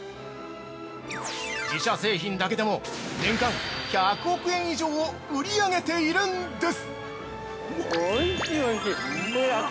自社製品だけでも年間１００億円以上を売り上げているんです！